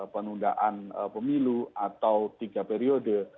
penundaan pemilu atau tiga periode